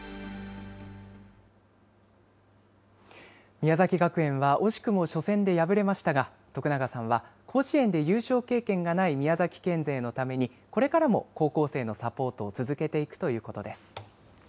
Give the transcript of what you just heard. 宮崎学園は惜しくも初戦で敗れましたが徳永さんは甲子園で優勝経験がない宮崎県勢のためにこれからも高校生のサポートを続けていくということです。